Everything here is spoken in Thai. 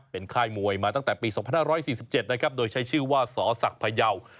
เป็นค่ายมวยมาตั้งแต่ปี๒๕๔๗นะครับโดยใช้ชื่อว่าสศักดิ์พยาว